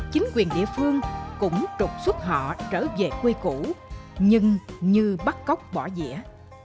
chính quyền địa phương cũng trục xuất họ trở về quê cũ nhưng như bắt cóc bỏ dĩa